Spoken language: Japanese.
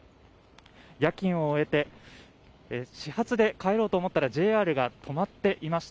夜勤を終えて始発で帰ろうと思ったらＪＲが止まっていました。